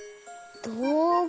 どうぐ？